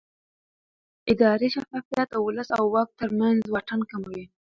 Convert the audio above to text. اداري شفافیت د ولس او واک ترمنځ واټن کموي